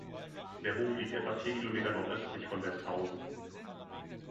Der Hof liegt etwa vier Kilometer nordöstlich von Westhausen.